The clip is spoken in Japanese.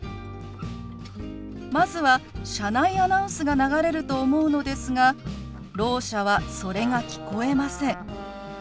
まずは車内アナウンスが流れると思うのですがろう者はそれが聞こえません。